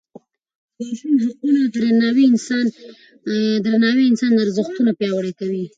د ماشوم حقونو درناوی انساني ارزښتونه پیاوړي کوي.